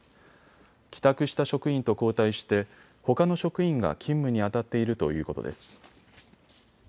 帰宅した職員と交代してほかの職員が勤務にあたっているということです。